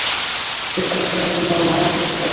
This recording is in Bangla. শেষকালে বেচারাদের জন্যে আমার মায়া করছিল।